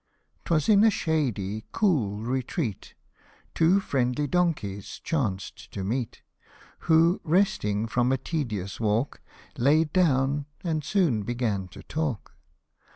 'TwAs in a shady, cool, retreat, Two friendly donkeys chanced to meet, Who, resting from a tedious walk, Laid down, and soon began to talk.